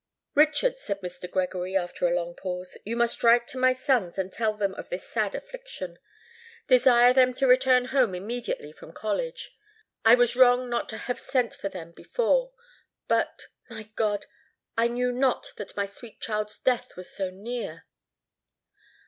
"Richard," said Mr. Gregory, after a long pause, "you must write to my sons and tell them of this sad affliction. Desire them to return home immediately from college: I was wrong not to have sent for them before; but—my God! I knew not that my sweet child's death was so near!"